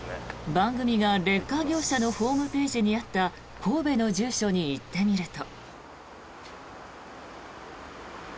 番組がレッカー業者のホームページにあった神戸の住所に行ってみると。